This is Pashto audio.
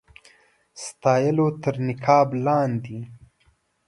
ستایلو تر نقاب لاندي.